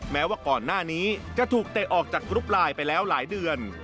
แม้ว่าก่อนหน้านี้จะถูกเตะออกจากกรุ๊ปไลน์ไปแล้วหลายเดือน